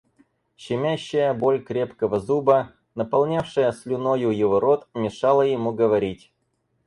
Щемящая боль крепкого зуба, наполнявшая слюною его рот, мешала ему говорить.